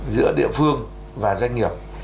giữa địa phương và doanh nghiệp